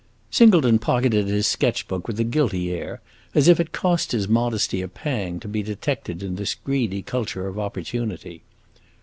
Singleton pocketed his sketch book with a guilty air, as if it cost his modesty a pang to be detected in this greedy culture of opportunity.